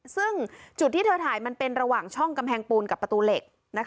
ซึ่งจุดที่เธอถ่ายมันเป็นระหว่างช่องกำแพงปูนกับประตูเหล็ก